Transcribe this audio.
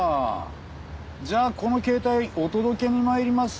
じゃあこの携帯お届けに参ります。